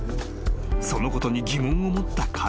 ［そのことに疑問を持った彼は］